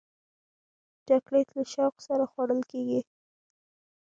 چاکلېټ له شوق سره خوړل کېږي.